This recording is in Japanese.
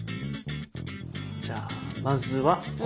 じゃあまずはここ！